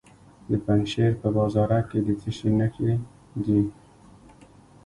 د پنجشیر په بازارک کې د څه شي نښې دي؟